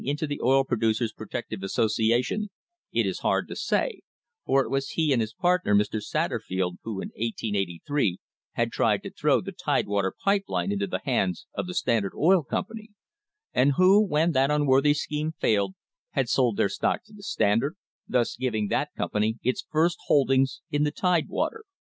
THE HISTORY OF THE STANDARD OIL COMPANY getting into the Producers' Protective Association it is hard to say, for it was he and his partner, Mr. Satterfield, who in 1883 had tried to throw the Tidewater Pipe Line into the hands of the Standard Oil Company, and who, when that unworthy scheme failed, had sold their stock to the Standard, thus giving that company its first holdings in the Tidewater.